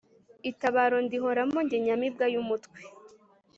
Itabaro ndihoramo jye nyamibwa y’umutwe.